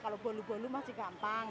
kalau bolu bolu masih gampang